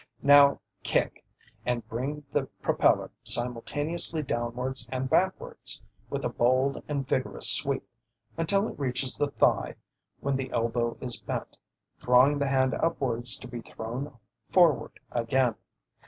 Now kick, and bring the propeller simultaneously downwards and backwards, with a bold and vigorous sweep, until it reaches the thigh when the elbow is bent, drawing the hand upwards to be thrown forward again.